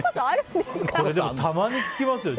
たまに聞きますよ。